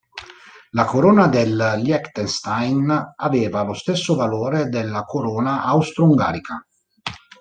La corona del Liechtenstein aveva lo stesso valore della corona austro-ungarica.